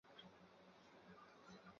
乾隆六年。